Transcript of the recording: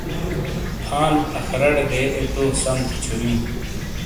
فال آخارا ڑے دے اے تو سم تھے چھوریوں۔